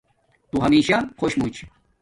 تو ہمشہ خوش موچ